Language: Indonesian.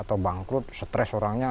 atau bangkrut stress orangnya